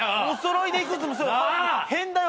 変だよ。